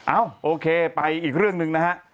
เอ้าโอเคไปอีกเรื่องหนึ่งนะฮะ